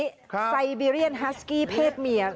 ครับค่ะไซเบีเรียนฮัสกี้เพศเมีย